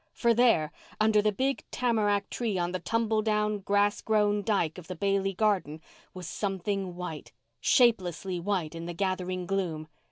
For there, under the big tamarack tree on the tumble down, grass grown dyke of the Bailey garden, was something white—shapelessly white in the gathering gloom.